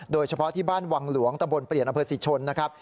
โดยเฉพาะที่บ้านวังหลวงตะบนเปลี่ยนอำเภอศรีชนนะครับ